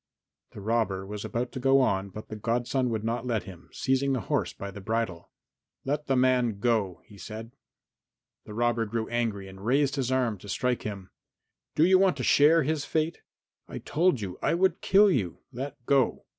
The robber was about to go on, but the godson would not let him, seizing the horse by the bridle. "Let the man go," he said. The robber grew angry and raised his arm to strike him. "Do you want to share his fate? I told you I would kill you. Let go!"